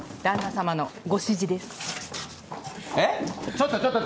ちょっとちょっと。